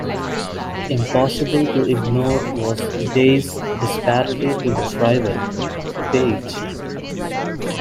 Impossible to ignore was Day's disparity to his rival, Paige.